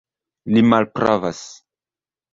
Li malpravas!